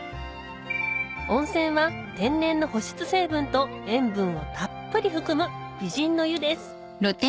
温泉は天然の保湿成分と塩分をたっぷり含む美人の湯です